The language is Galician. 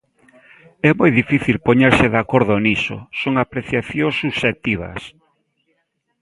É moi difícil poñerse de acordo niso, son apreciacións subxectivas.